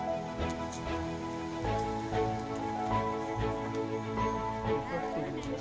saya akan menjaga